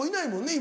今。